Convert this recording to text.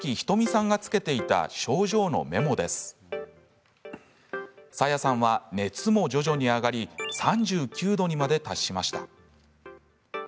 さやさんは熱も徐々に上がり３９度にまで達しました。